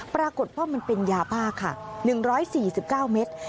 ปรากฏว่ามันเป็นยาบ้าค่ะ๑๔๙เมตร